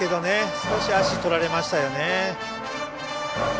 少し足とられましたよね。